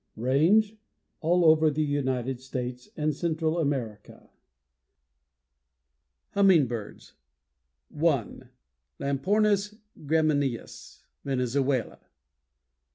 RANGE All over the United States and Central America. Page 218. =HUMMING BIRDS= (1) Lampornis gramineus, Venezuela.